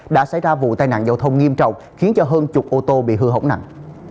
đã xảy ra vụ tai nạn giao thông nghiêm trọng khiến cho hơn chục ô tô bị hư hỏng nặng